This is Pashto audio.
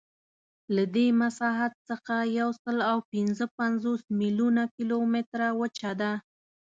له دې مساحت څخه یوسلاوپینځهپنځوس میلیونه کیلومتره وچه ده.